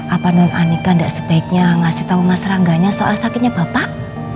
apa namanya anika tidak sebaiknya ngasih tahu mas rangganya soal sakitnya bapak